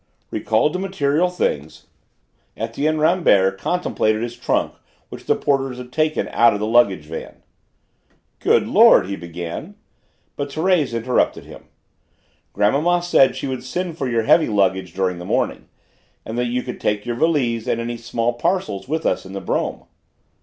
Recalled to material things, Etienne Rambert contemplated his trunk which the porters had taken out of the luggage van. "Good Lord!" he began, but Thérèse interrupted him. "Grandmamma said she would send for your heavy luggage during the morning, and that you could take your valise and any small parcels with us in the brougham."